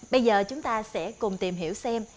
bây giờ chúng ta sẽ cùng tìm hiểu xem